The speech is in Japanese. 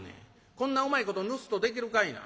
こんなうまいことぬすっとできるかいな。